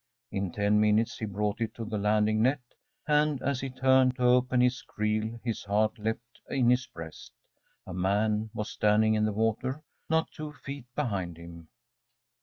In ten minutes he brought it to the landing net, and as he turned to open his creel his heart leapt in his breast. A man was standing in the water not two feet behind him.